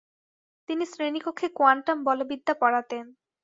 তিনি শ্রেণিকক্ষে কোয়ান্টাম বলবিদ্যা পড়াতেন।